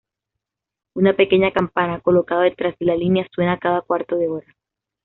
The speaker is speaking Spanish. Una pequeña campana, colocado detrás de la línea, suena cada cuarto de hora.